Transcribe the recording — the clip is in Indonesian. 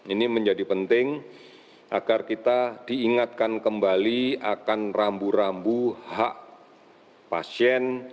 ini menjadi penting agar kita diingatkan kembali akan rambu rambu hak pasien